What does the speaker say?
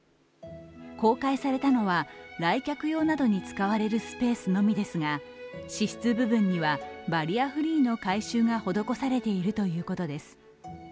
公開されたのは、来客用などに使われるスペースのみですが私室部分にはバリアフリーの改修が施されているということです。